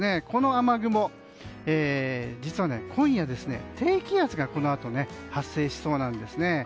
この雨雲、実は今夜、低気圧がこのあと発生しそうなんです。